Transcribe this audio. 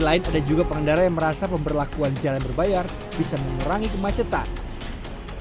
lain ada juga pengendara yang merasa pemberlakuan jalan berbayar bisa mengurangi kemacetan